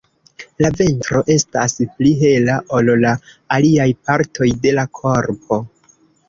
La ventro estas pli hela ol la aliaj partoj de la korpo.